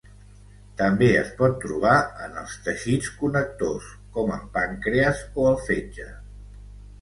També es pot trobar en els teixits connectors com el pàncrees o el fetge.